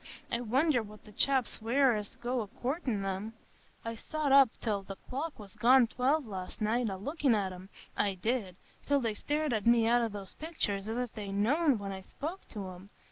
I wonder what the chaps wear as go a courtin' 'em! I sot up till the clock was gone twelve last night, a lookin' at 'em,—I did,—till they stared at me out o' the picturs as if they'd know when I spoke to 'em.